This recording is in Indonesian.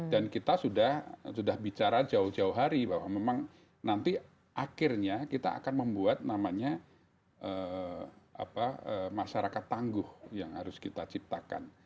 dan kita sudah bicara jauh jauh hari bahwa memang nanti akhirnya kita akan membuat namanya masyarakat tangguh yang harus kita ciptakan